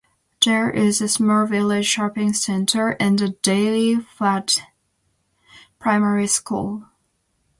There is a small village shopping centre and the Dairy Flat Primary School.